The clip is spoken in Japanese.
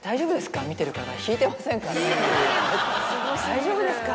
大丈夫ですか？